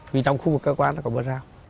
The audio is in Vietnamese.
vì trong khu vực cơ quan nó có bớt rào